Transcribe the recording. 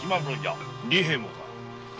利平もか？